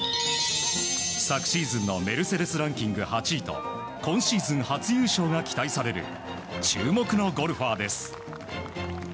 昨シーズンのメルセデスランキング８位と今シーズン初優勝が期待される注目のゴルファーです。